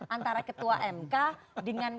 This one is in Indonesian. antara ketua mk dengan